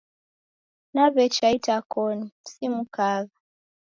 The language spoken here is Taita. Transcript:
Naw'echa itakoni, simukagha.